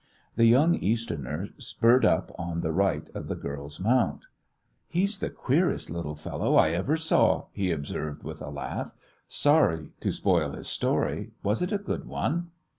The young Easterner spurred up on the right of the girl's mount. "He's the queerest little fellow I ever saw!" he observed, with a laugh. "Sorry to spoil his story. Was it a good one?"